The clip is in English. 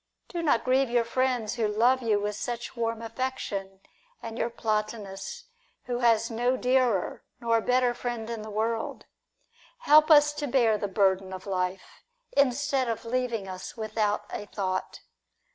Do not grieve your friends, who love you with such warm affection, and your Plotinus, ^ who has no dearer nor better friend in the world. Help us to bear the burden of life, instead of leaving us without a thought.